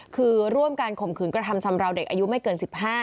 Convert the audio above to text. คือร่วมการข่มขืนกระทำชำราวเด็กอายุไม่เกิน๑๕